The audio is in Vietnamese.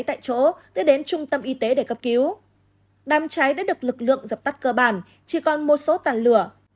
tại chỗ đưa đến trung tâm y tế để cấp cứu đám cháy đã được lực lượng dập tắt cơ bản chỉ còn một số tàn lửa